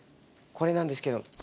これなんですけど。